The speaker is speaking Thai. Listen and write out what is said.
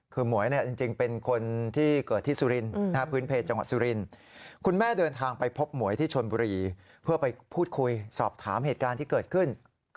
คือหมวยจริงเป็นคนที่เกิดที่สุรินหน้าพื้นเพจจังหวัดสุริน